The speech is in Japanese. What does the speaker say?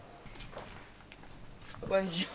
こんにちは。